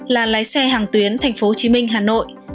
là lái xe hàng tuyến thành phố hồ chí minh hà nội